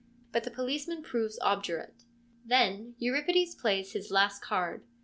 But the policeman proves obdurate. Then Euripides plays his last card.